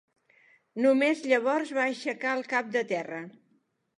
Només llavors va aixecar el cap de terra.